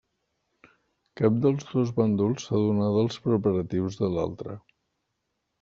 Cap dels dos bàndols s'adonà dels preparatius de l'altre.